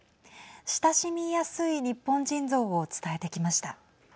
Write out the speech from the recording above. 親しみやすい日本人像を伝えてきました。